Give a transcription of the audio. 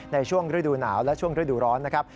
ในช่วงฤดูหนาวและช่วงฤดูร้อนนะครับ